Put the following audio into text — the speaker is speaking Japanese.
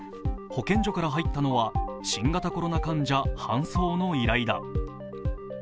保健所から入ったのは新型コロナ患者搬送の依頼だ。